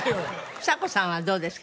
ちさ子さんはどうですか？